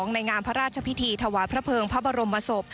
ในงามพระราชพิธีถวายพระเภิงพระบรมศพ